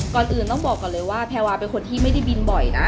ก่อนอื่นต้องบอกก่อนเลยว่าแพรวาเป็นคนที่ไม่ได้บินบ่อยนะ